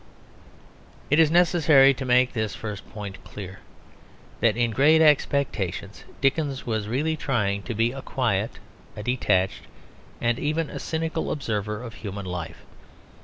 It is necessary to make this first point clear: that in Great Expectations Dickens was really trying to be a quiet, a detached, and even a cynical observer of human life.